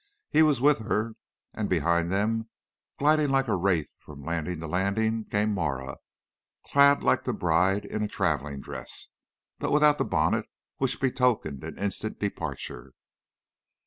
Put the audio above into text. He was with her, and behind them, gliding like a wraith from landing to landing, came Marah, clad like the bride in a traveling dress, but without the bonnet which betokened an instant departure.